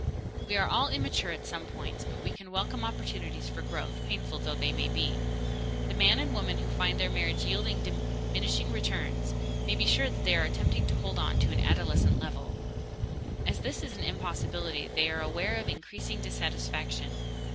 _ We are all immature at some points, but we can welcome opportunities for growth, painful though they may be. The man and woman who find their marriage yielding diminishing returns may be sure they are attempting to hold it to an adolescent level. As this is an impossibility, they are aware of increasing dissatisfaction.